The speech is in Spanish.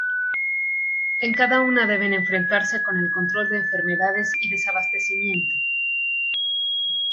En cada una deben enfrentarse con el control de enfermedades y desabastecimiento.